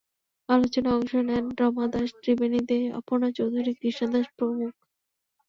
আলোচনায় অংশ নেন রমা দাশ, ত্রিবেনী দে, অপর্ণা চৌধুরী, কৃষ্ণা দাস প্রমুখ।